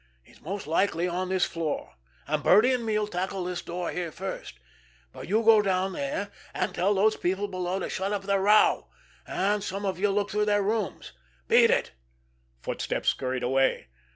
He's most likely on this floor, and Birdie and me'll tackle this door here first; but you go down there and tell those people below to shut up their row, and some of you look through their rooms. Beat it!" Footsteps scurried away.